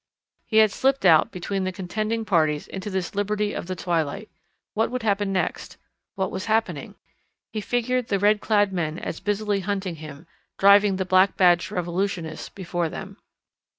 He had slipped out between the contending parties into this liberty of the twilight. What would happen next? What was happening? He figured the red clad men as busily hunting him, driving the black badged revolutionists before them.